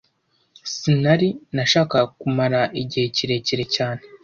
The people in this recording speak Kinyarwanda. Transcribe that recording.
Sinari nashakaga kumara igihe kirekire cyane